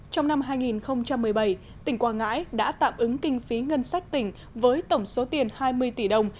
trong năm hai nghìn một mươi bảy tỉnh quảng ngãi đã tạm ứng kinh phí ngân sách tỉnh với tổng số tiền hai mươi tỷ đồng